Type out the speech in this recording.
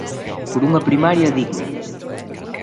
Por unha Primaria digna.